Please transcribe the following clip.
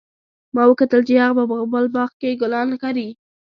ما وکتل چې هغه په خپل باغ کې ګلان کري